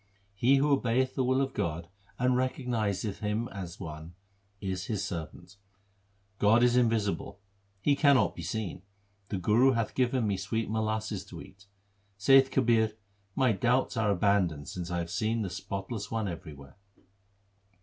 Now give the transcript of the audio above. He who obeyeth the will of God and recognizeth Him as one, is His servant. God is invisible ; He cannot be seen ; the Guru hath given me sweet molasses 3 to eat. Saith Kabir, my doubts are abandoned since I have seen the Spotless One everywhere.